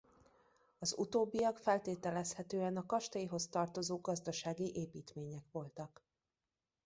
Az utóbbiak feltételezhetően a kastélyhoz tartozó gazdasági építmények voltak.